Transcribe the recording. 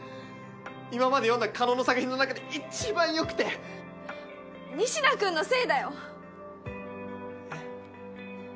今まで読んだ叶の作品の中で一番よくて仁科君のせいだよ！えっ？